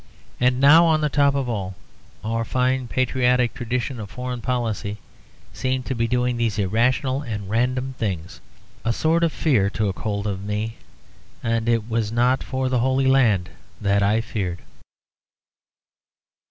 And now, on the top of all, our fine patriotic tradition of foreign policy seemed to be doing these irrational and random things. A sort of fear took hold of me; and it was not for the Holy Land that I feared.